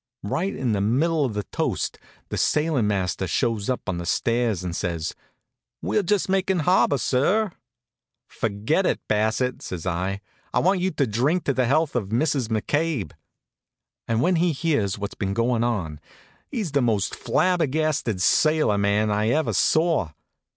Right in the middle of the toast the sailin' master shows up on the stairs and says: "We're just makin' the harbor, sir." "Forget it, Bassett," says I. "I want you to drink to the health of Mrs. McCabe." And when he hears what's been goin' on, he's the most flabbergasted sailor man I ever saw.